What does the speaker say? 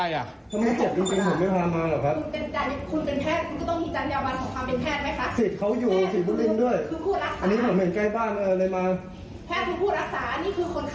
อย่าพูดอะไรก็เชิญตามสบายเต็มที่